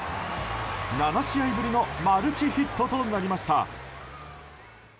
７試合ぶりのマルチヒットとなりました。